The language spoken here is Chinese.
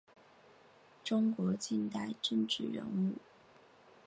中国近代政治人物。